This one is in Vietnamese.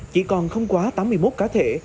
chỉ còn không quá tám mươi một cá thể